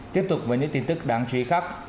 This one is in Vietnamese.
tiếp tục với những tin tức đáng chú ý khác